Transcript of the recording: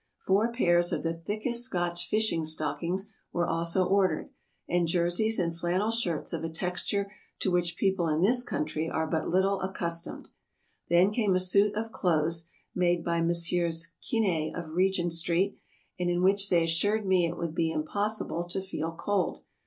Four pairs of the thickest Scotch fishing stockings were also ordered, and jerseys and flannel shirts of a texture to which people in this country are but little accustomed. Then came a suit of clothes, made by Messrs. Kine of Regent Street, and in which they assured me it would be impossible to feel cold.